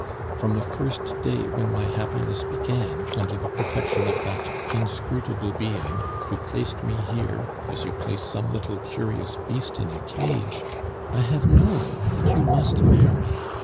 From the first day when my happiness began under the protection of that inscrutable being, who placed me here as you place some little curious beast in a cage, I have known that you must marry.